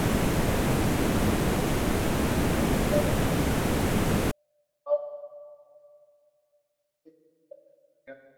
Hace muchos más años fueron conocidos por el nombre de los ezo.